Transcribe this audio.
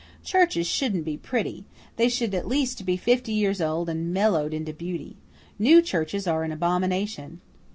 "Churches shouldn't be pretty they should at least be fifty years old and mellowed into beauty. New churches are an abomination."